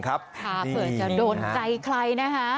เผื่อจะโดนใจใครนะคะ